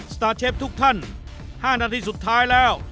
สตาร์เชฟทุกท่าน๕นาทีสุดท้ายแล้ว